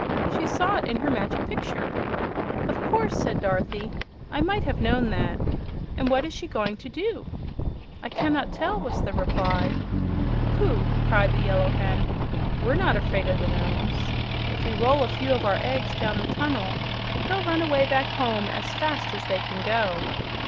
"She saw it in her Magic Picture." "Of course," said Dorothy; "I might have known that. And what is she going to do?" "I cannot tell," was the reply. "Pooh!" cried the Yellow Hen. "We're not afraid of the Nomes. If we roll a few of our eggs down the tunnel they'll run away back home as fast as they can go."